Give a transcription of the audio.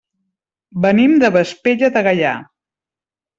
Venim de Vespella de Gaià.